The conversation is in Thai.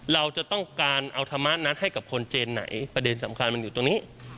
เราจะต้องการเอาธรรมะนั้นให้กับคนเจนไหนประเด็นสำคัญมันอยู่ตรงนี้